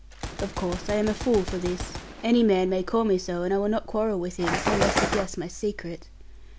Of course, I am a fool for this; any man may call me so, and I will not quarrel with him, unless he guess my secret.